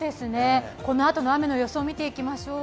このあとの雨の予想見ていきましょう。